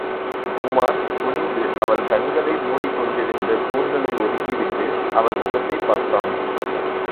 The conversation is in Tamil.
உமார் குனிந்து அவள் கண்களை மூடிக் கொண்டிருந்த கூந்தலை ஒதுக்கிவிட்டு அவள் முகத்தைப் பார்த்தான்.